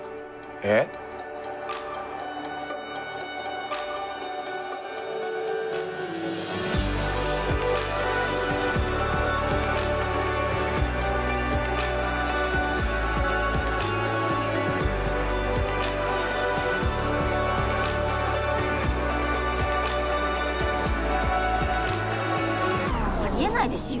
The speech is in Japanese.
え？ありえないですよ。